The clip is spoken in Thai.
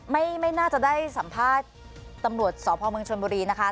ไม่น่าจะได้สัมภาษณ์ตำรวจส่อพมชนบรีนะคะ